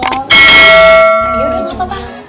yaudah gak apa apa